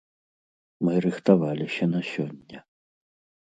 Мы рыхтаваліся на сёння.